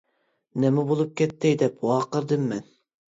-نېمە بولۇپ كەتتى، -دەپ ۋارقىرىدىم مەن.